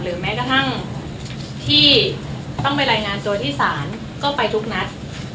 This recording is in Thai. แม้กระทั่งที่ต้องไปรายงานตัวที่ศาลก็ไปทุกนัด